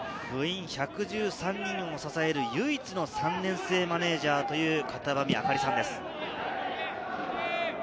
部員１１３人を支える唯一の３年生マネージャー・方波見朱里さんです。